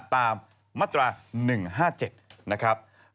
ตามม๑๕๗นะครับ